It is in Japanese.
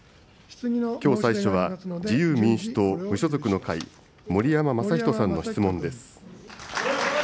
きょう最初は自由民主党・無所属の会、盛山正仁さんの質問です。